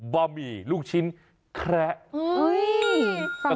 บะหมี่ลูกชิ้นแคระ